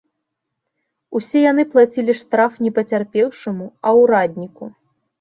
Усе яны плацілі штраф не пацярпеўшаму, а ўрадніку.